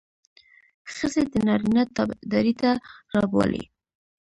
ښځې د نارينه تابعدارۍ ته رابولي.